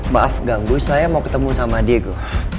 maaf ganggu saya mau ketemu sama diego